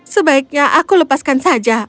sebaiknya aku lepaskan saja